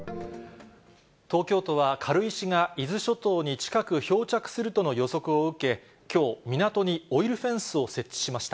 東京都は、軽石が伊豆諸島に近く漂着するとの予測を受け、きょう、港へオイルフェンスを設置しました。